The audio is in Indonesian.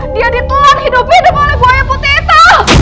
dia ditelan hidup hidup oleh buaya putih itu